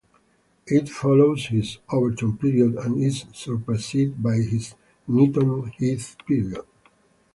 It follows his Overton Period and is superseded by his Knighton Heath Period.